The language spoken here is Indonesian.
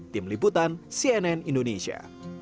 tim liputan cnn indonesia